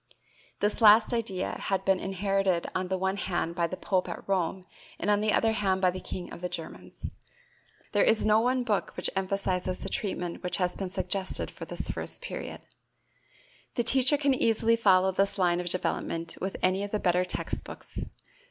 This last idea had been inherited on the one hand by the pope at Rome and on the other by the king of the Germans. There is no one book which emphasizes the treatment which has been suggested for this first period. The teacher can easily follow this line of development with any of the better text books.